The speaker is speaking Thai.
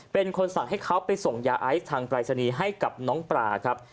เป็นคนสั่งให้เขาไปส่งยาไอซ์ทางปรายศนีย์ให้กับน้องปลาครับ